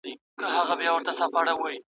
په لږو قناعت وکړه.